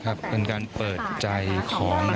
กับคนใกล้ชิดครอบครัวเรา